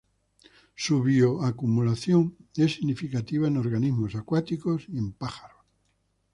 Su bioacumulación es significativa en organismos acuáticos y en pájaros.